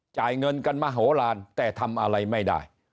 จ่ายเงินกันมโหลานแต่ทำอะไรไม่ได้